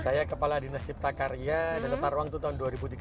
saya kepala dinas cipta karya dan lepar uang itu tahun dua ribu tiga belas